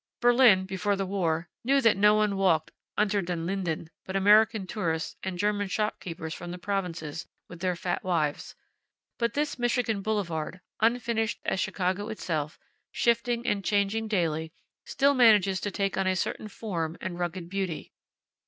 Berlin, before the war, knew that no one walked Unter den Linden but American tourists and German shopkeepers from the provinces, with their fat wives. But this Michigan Boulevard, unfinished as Chicago itself, shifting and changing daily, still manages to take on a certain form and rugged beauty.